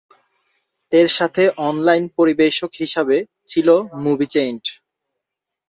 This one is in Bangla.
এর সাথে অনলাইন পরিবেশক হিসাবে ছিল মুভিচেইন্ট।